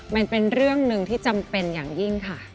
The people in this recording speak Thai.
มันเป็นเรื่องหนึ่งที่จำเป็นอย่างยิ่งค่ะ